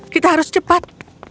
kita harus cepat